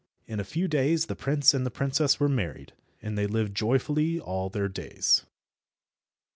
In a few days the prince and the princess were married, and they lived joyfully all their days.